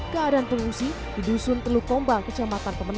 keadaan pengungsi di dusun teluk pombal kecamatan pemenang